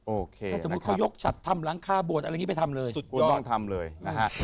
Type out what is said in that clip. โอเคนะครับถ้าสมมุติเขายกฉัดทำหลังคาบวชอะไรงี้ไปทำเลยสุดยอดคุณต้องทำเลยนะฮะ